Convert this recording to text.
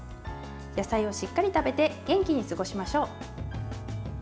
野菜をしっかり食べて元気に過ごしましょう。